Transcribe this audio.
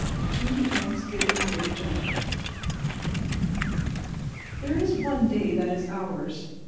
TWO THANKSGIVING DAY GENTLEMEN There is one day that is ours.